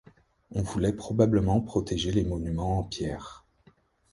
On voulait probablement protéger les monuments en pierre.